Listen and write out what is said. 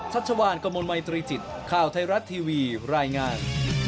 ชัชวานกระมวลมัยตรีจิตข่าวไทยรัฐทีวีรายงาน